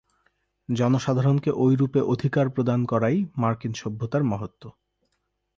জনসাধারণকে ঐরূপে অধিকার প্রদান করাই মার্কিন সভ্যতার মহত্ত্ব।